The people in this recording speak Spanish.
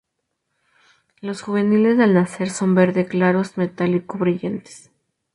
Los juveniles al nacer son verde claros metálico, brillantes.